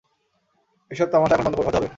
এই সব তামাশা এখন বন্ধ হতে হবে।